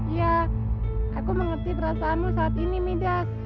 ya aku mengerti perasaanmu saat ini midas